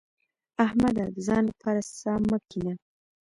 احمده! د ځان لپاره څا مه کينه.